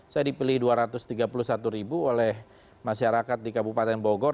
saya dipilih dua ratus tiga puluh satu ribu oleh masyarakat di kabupaten bogor